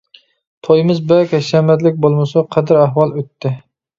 تويىمىز بەك ھەشەمەتلىك بولمىسىمۇ قەدىر ئەھۋال ئۆتتى.